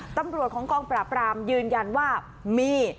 ตำรวจของกองปราบรามยืนยันว่ามี